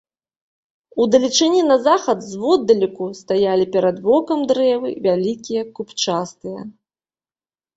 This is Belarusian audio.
У далечыні на захад зводдалеку стаялі перад вокам дрэвы, вялікія, купчастыя.